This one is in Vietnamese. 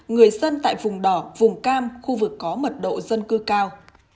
người dân tại vùng đỏ vùng cam khu vực có mật độ dân cư cao